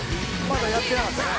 まだやってなかったね。